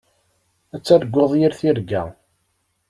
Ad targuḍ yir tirga.